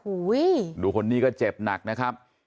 ดูคนนี้ก็เจ็บหนักนะครับ